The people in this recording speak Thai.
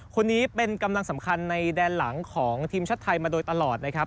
คนนี้เป็นกำลังสำคัญในแดนหลังของทีมชาติไทยมาโดยตลอดนะครับ